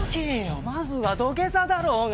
まずは土下座だろうが！